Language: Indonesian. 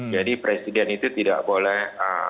jadi presiden itu tidak boleh